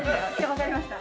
わかりました。